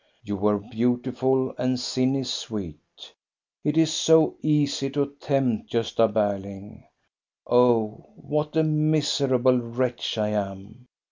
You were beautiful, and sin is sweet. It is so easy to tempt Gosta Berling. Oh, what a miserable wretch I am